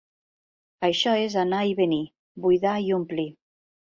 Això és anar i venir, buidar i omplir.